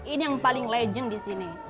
ini yang paling legend di sini